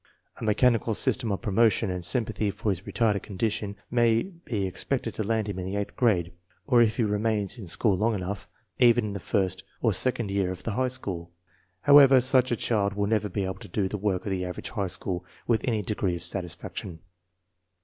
A mechanical system of promotion and sympathy for his retarded condition may be ex pected to land him in the eighth grade, or if he re mains in school long enough, even in the first or sec ond year of the high school. However, such a child will never be able to do the work of the average high school with any degree of satisfaction.